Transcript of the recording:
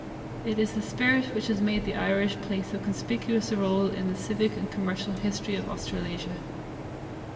It is the spirit which has made the Irish play so conspicuous a role in the civic and commercial history of Australasia.